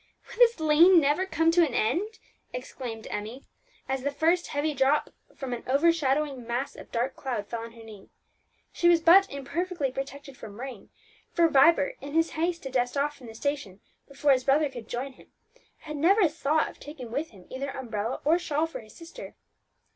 "Will this lane never come to an end?" exclaimed Emmie, as the first heavy drop from an overshadowing mass of dark cloud fell on her knee. She was but imperfectly protected from rain; for Vibert, in his haste to dash off from the station before his brother could join him, had never thought of taking with him either umbrella or shawl for his sister.